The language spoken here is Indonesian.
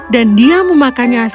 dan dia memakannya sampai puas